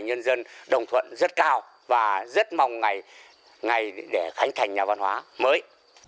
nhân dân đồng thuận rất cao và rất mong ngày để khánh thành nhà văn hóa mới